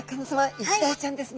イシダイちゃんですね。